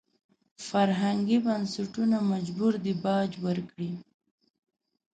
فرهنګي بنسټونه مجبور دي باج ورکړي.